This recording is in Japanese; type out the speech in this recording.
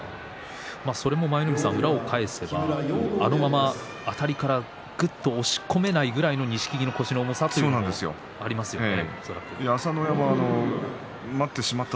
それも裏を返せばあのあたりからぐっと押し込めないぐらいの錦木の腰の重さというのがあるんですね。